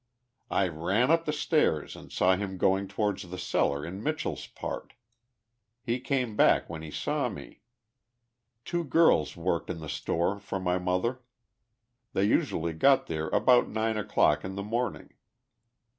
I ran up the stairs and saw him going towards the cellar in Mitchell's part. lie came back when he saw me. Two girls worked in the store for ray mother. They usually got there about 9 o'clock in the morn ing.